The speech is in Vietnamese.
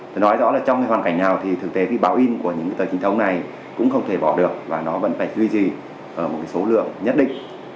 phải nói rõ là trong cái hoàn cảnh nào thì thực tế cái báo in của những tờ trình thống này cũng không thể bỏ được và nó vẫn phải duy trì ở một số lượng nhất định